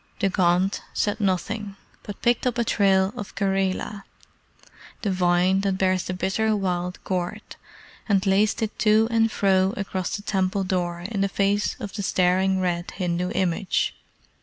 The Gond said nothing, but picked up a trail of the Karela, the vine that bears the bitter wild gourd, and laced it to and fro across the temple door in the face of the staring red Hindu image.